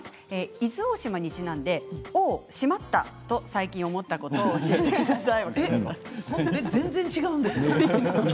伊豆大島にちなんでおお、しまったと最近思ったことを教えてください。